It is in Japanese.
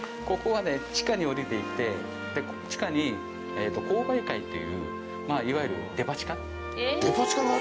ここはね、地下に下りていって、地下に購買会という、まあ、いわゆるデパ地下？